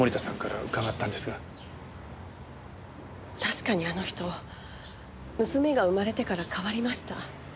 確かにあの人娘が生まれてから変わりました。